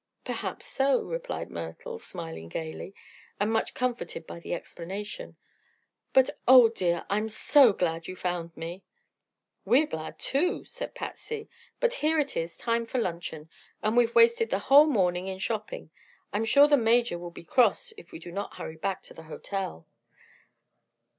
"Perhaps so," replied Myrtle, smiling gaily and much comforted by the explanation. "But, oh dear! I'm so glad you found me!" "We are glad, too," said Patsy. "But here it is, time for luncheon, and we've wasted the whole morning in shopping. I'm sure the Major will be cross if we do not hurry back to the hotel."